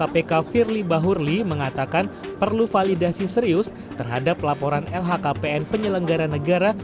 kpk firly bahurli mengatakan perlu validasi serius terhadap laporan lhkpn penyelenggara negara